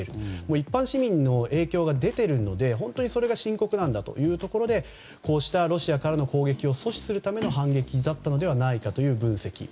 一般市民にも影響が出ているので本当にそれが深刻なんだというところでこうしたロシアからの攻撃を阻止するための反撃だったのではないかという分析です。